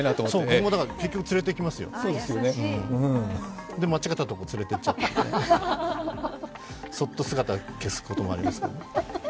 僕も結局、連れていきますよで、間違ったとこ連れていっちゃったりして、そっと姿消すこともありますけど。